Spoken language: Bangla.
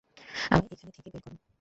আমায় এখানে থেকে বের করো।